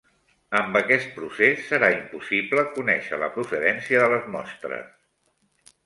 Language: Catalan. Amb aquest procés serà impossible conèixer la procedència de les mostres.